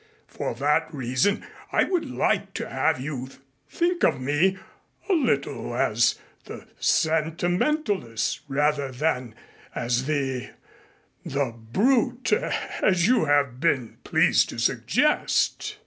For that reason I would like to have you think of me a little as the sentimentalist rather than as the the brute as you have been pleased to suggest.